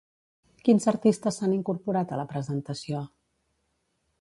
Quins artistes s'han incorporat a la presentació?